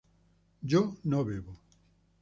yo no bebo